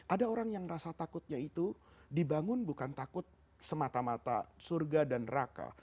ada orang yang rasa takutnya itu dibangun bukan takut semata mata surga dan neraka